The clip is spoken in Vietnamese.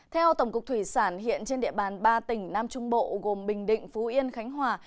theo tổng cục thủy sản hiện trên địa bàn ba tỉnh nam trung bộ gồm bình định phú yên khánh hòa